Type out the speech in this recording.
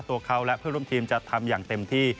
ตัวเขาและเพื่อนร่วมทีมจะทำอย่างเต็มที่